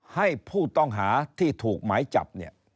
ให้ผู้ต้องหาที่ถูกหมายจับเนี่ย